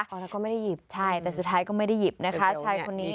เอาแล้วก็ไม่ได้หยิบใช่แต่สุดท้ายก็ไม่ได้หยิบนะคะชายคนนี้